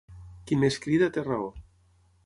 Qui més crida té raó.